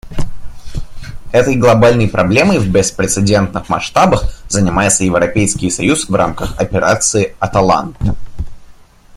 Этой глобальной проблемой в беспрецедентных масштабах занимается Европейский союз в рамках Операции «Аталанта».